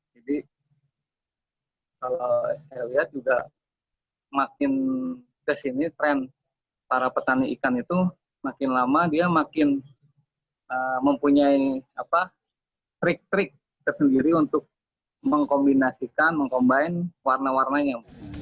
jadi kalau saya lihat juga makin kesini tren para petani ikan itu makin lama dia makin mempunyai trik trik tersendiri untuk mengkombinasikan mengkombain warna warnanya